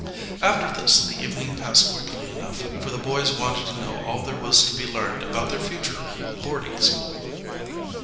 After this the evening passed quickly enough, for the boys wanted to know all there was to be learned about their future boarding school.